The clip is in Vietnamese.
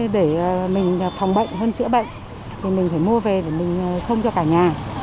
để mình phòng bệnh hơn chữa bệnh thì mình phải mua về để mình sông cho cả nhà